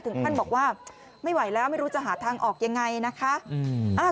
ท่านบอกว่าไม่ไหวแล้วไม่รู้จะหาทางออกยังไงนะคะ